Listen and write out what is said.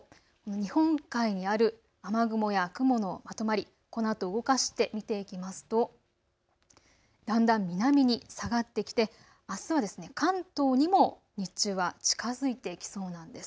日本海にある雨雲や雲のまとまり、このあと動かして見ていきますとだんだん南に下がってきてあすは関東にも日中は近づいてきそうなんです。